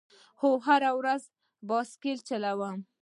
هو، زه هره ورځ بایسکل چلوم